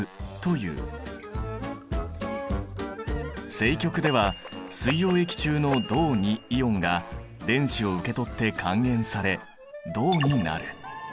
正極では水溶液中の銅イオンが電子を受け取って還元され銅になる。